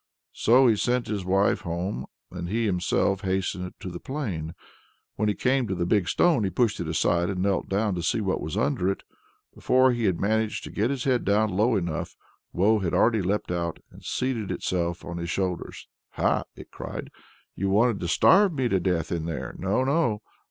So he sent his wife home, but he himself hastened into the plain. When he came to the big stone, he pushed it aside, and knelt down to see what was under it. Before he had managed to get his head down low enough, Woe had already leapt out and seated itself on his shoulders. "Ha!" it cried, "you wanted to starve me to death in here! No, no!